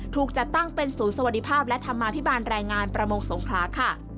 ถูกจัดตั้งเป็นศูนย์สวัสดิภาพและธรรมาภิบาลแรงงานประมงสงขลาค่ะ